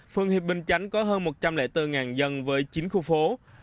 phường hiệp bình chánh có hơn một trăm linh bốn dân với chín khu phố